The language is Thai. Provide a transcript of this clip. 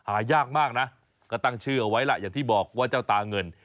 หายากมากนะก็ตั้งชื่อเอาไว้ล่ะอย่างที่บอกว่าเจ้าตาเงิน